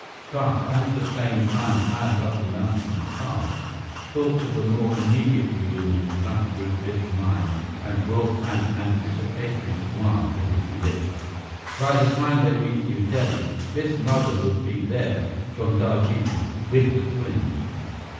But as the plane climbed high above the mountain pass, thoughts of a more immediate reunion flashed through Biff's mind and brought an anticipatory smile to his lips. By the time they reached New Delhi, Biff's mother would be there from Darjeeling, with the twins.